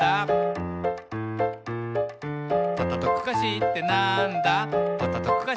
「パタトクカシーってなんだ？」